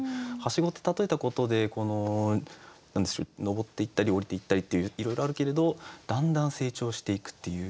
梯子って例えたことで登っていったり降りていったりっていういろいろあるけれどだんだん成長していくっていう。